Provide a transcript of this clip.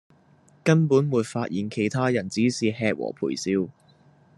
根本沒發現其他人只是吃和陪笑